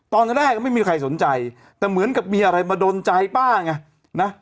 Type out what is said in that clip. ตอนแรกก็ไม่มีใครสนใจแต่เหมือนกับมีอะไรมาดนใจป้าไงนะ